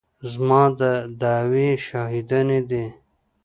زما د دعوې شاهدانې دي.